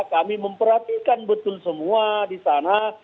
kami memperhatikan betul semua di sana